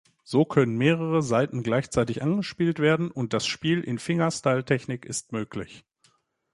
So können mehrere Saiten gleichzeitig angespielt werden, und das Spiel in Fingerstyle-Technik ist möglich.